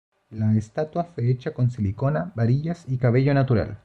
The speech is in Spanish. La estatua fue hecha con silicona, varillas y cabello natural.